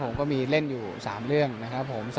ผมก็มีเล่นอยู่๓เรื่องนะครับผม